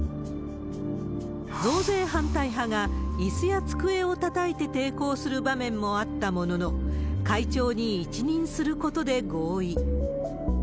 増税反対派がいすや机をたたいて抵抗する場面もあったものの、会長に一任することで合意。